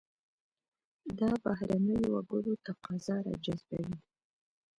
دا بهرنیو وګړو تقاضا راجذبوي.